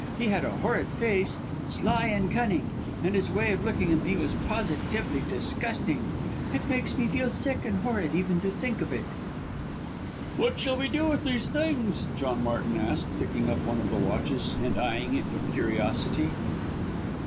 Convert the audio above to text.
He had a horrid face sly and cunning, and his way of looking at me was positively disgusting. It makes me feel sick and horrid even to think of it." "What shall we do with these things?" John Martin asked, picking up one of the watches and eyeing it with curiosity.